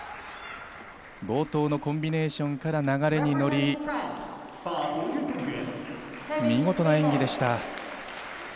冒頭のコンビネーションから流れに乗り、見事な演技でした。